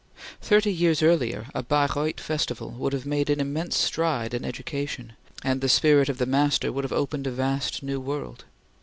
Thirty years earlier, a Baireuth festival would have made an immense stride in education, and the spirit of the master would have opened a vast new world.